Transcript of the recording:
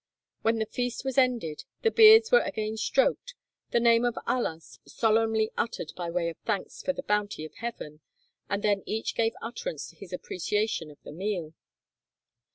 When the feast was ended, the beards were again stroked, the name of Allah solemnly uttered by way of thanks for the bounty of heaven, and then each gave utterance to his appreciation of the meal.